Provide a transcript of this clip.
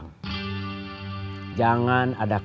yang penting jangan ada perang